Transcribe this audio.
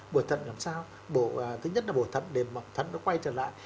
bổ thận làm sao thứ nhất là bổ thận để bổ thận nó quay trở lại